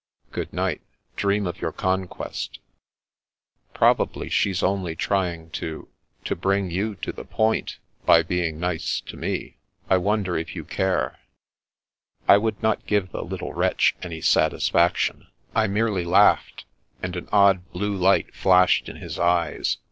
" Good night. Dream of your conquest." " Probably she's only trsring to— to bring you to the point, by being nice to me. I wonder if you care?" I would not give the little wretch any satisfaction. 190 The Princess Passes I merely laughed, and an odd blue light flashed in his eyes.